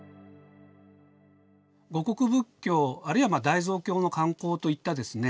護国仏教あるいは大蔵経の刊行といったですね